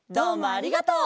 ありがとう。